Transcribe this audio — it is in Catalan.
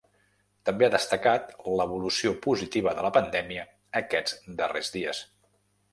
També ha destacat l’evolució positiva de la pandèmia aquests darrers dies.